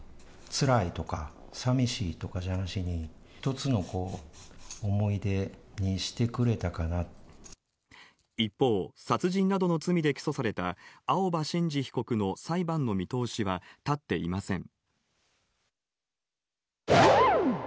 つらいとか、さみしいとかじゃなしに、一つの思い出にしてくれた一方、殺人などの罪で起訴された青葉真司被告の裁判の見通しは立っていません。